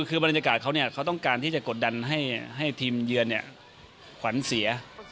คือบรรยากาศเขาเขาต้องการที่จะกดดันให้ทีมเยือนขวัญเสีย